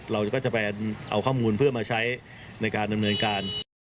เราก็จะไปเอาข้อมูลเพื่อมาใช้ในการดำเนินการ